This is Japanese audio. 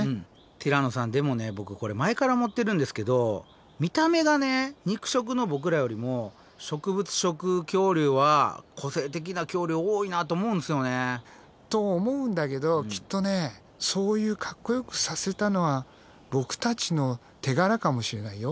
ティラノさんでもねボクこれ前から思ってるんですけど見た目がね肉食のボクらよりも植物食恐竜は個性的な恐竜多いなと思うんですよね。と思うんだけどきっとねそういうかっこよくさせたのはボクたちの手柄かもしれないよ。